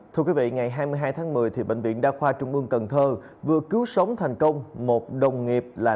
thưa quý vị ngày hai mươi hai tháng một mươi